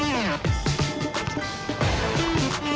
saya dari jakarta